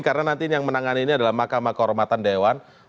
karena nanti yang menangani ini adalah mahkamah kehormatan dewan